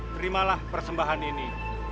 terimalah persembahan ini